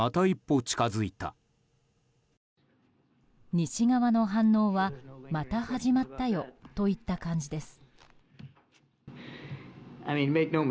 西側の反応はまた始まったよといった感じです。